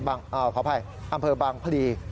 อ่าวขออภัยอำเภอบางภรี